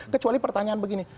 kecuali pertanyaan begini